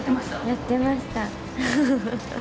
やってました。